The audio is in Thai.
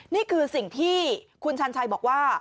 นี่คือสิ่งที่คุณชันชัยบอกว่า